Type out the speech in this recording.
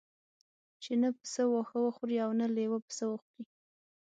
چې نه پسه واښه وخوري او نه لېوه پسه وخوري.